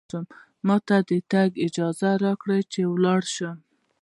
ما ته د تګ اجازه راکړئ، چې ولاړ شم.